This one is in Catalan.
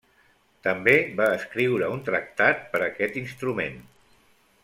També va escriure un tractat per aquest instrument.